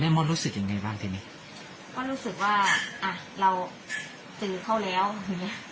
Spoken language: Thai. แม่ม่อนรู้สึกยังไงบ้างทีนี้ก็รู้สึกว่าอ่ะเราจือเขาแล้วอย่างเงี้ย